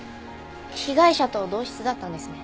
被害者と同室だったんですね。